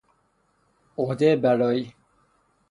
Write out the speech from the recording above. عهده برائی